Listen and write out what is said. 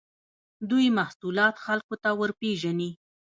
دوی محصولات خلکو ته ورپېژني.